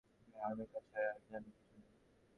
এই হাড়মাসের খাঁচায় আর যেন কিছু নেই।